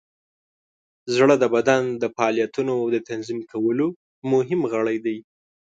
زړه د بدن د فعالیتونو د تنظیم کولو مهم غړی دی.